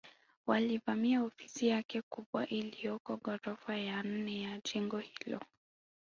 Walivamia ofisi yake kubwa iliyoko ghorofa ya nne ya jengo hilo